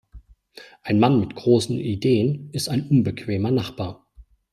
Ein Mann mit großen Ideen ist ein unbequemer Nachbar.